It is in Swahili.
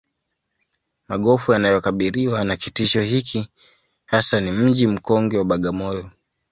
Magofu yanayokabiriwa na kitisho hiki hasa ni ya Mji mkongwe wa Bagamoyo